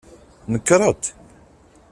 Nekret!